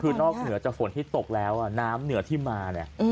คือนอกเหนือจากฝนที่ตกแล้วน้ำเหนือที่มาเนี่ย